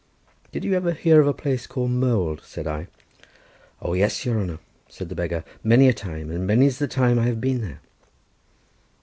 "Did you ever hear of a place called Mold?" said I. "Oh, yes, your honour," said the beggar; "many a time; and many's the time I have been there."